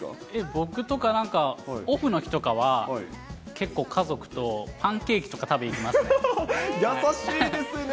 僕とかはオフの日とかは、結構、家族とパンケーキとか、優しいですね。